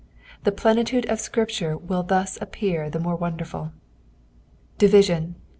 The ipleniiude of Seripture tcill thus appear the more wndeifuL DirmioN.